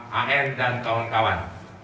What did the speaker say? pak an dan kawan kawan